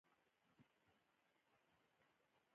بایسکل چلول د وزن کمولو یوه اسانه لار ده.